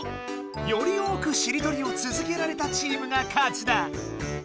より多くしりとりをつづけられたチームが勝ちだ。